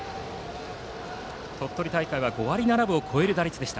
鳥取大会は５割７分を超える打率。